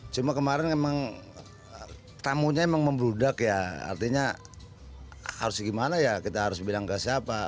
cuma kemarin emang tamunya emang membludak ya artinya harus gimana ya kita harus bilang ke siapa